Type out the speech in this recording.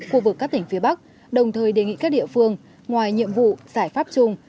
khu vực các tỉnh phía bắc đồng thời đề nghị các địa phương ngoài nhiệm vụ giải pháp chung